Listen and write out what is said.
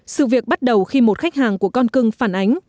sự việc bắt đầu khi một khách hàng của con cưng phản ánh